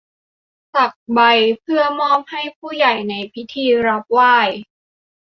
สักใบเพื่อมอบให้ผู้ใหญ่ในพิธีรับไหว้